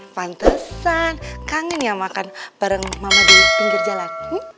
pantesan kangen ya makan bareng mama di pinggir jalan